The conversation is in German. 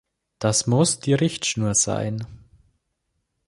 Das muss die Richtschnur sein!